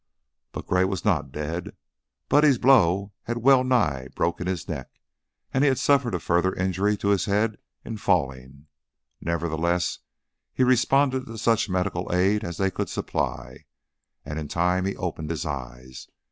But Gray was not dead. Buddy's blow had well nigh broken his neck, and he had suffered a further injury to his head in falling; nevertheless, he responded to such medical aid as they could supply, and in time he opened his eyes.